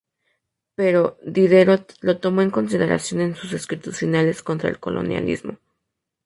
Pero Diderot lo tomó en consideración en sus escritos finales contra el colonialismo.